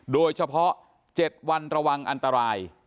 โดยเฉพาะ๗วันระวังอันตราย